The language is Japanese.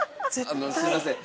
あのすいません。